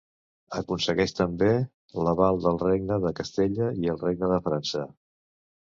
Aconsegueix també l'aval del Regne de Castella i el Regne de França.